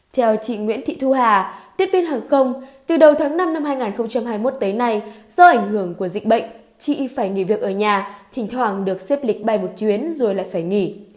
theo chị nguyễn thị thu hà tiếp viên hàng không từ đầu tháng năm năm hai nghìn hai mươi một tới nay do ảnh hưởng của dịch bệnh chị phải nghỉ việc ở nhà thỉnh thoảng được xếp lịch bay một chuyến rồi lại phải nghỉ